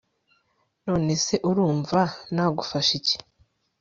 none se urumva nagufasha iki